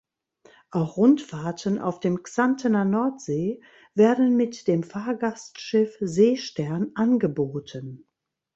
Auch Rundfahrten auf dem "Xantener Nordsee" werden mit dem Fahrgastschiff "Seestern" angeboten.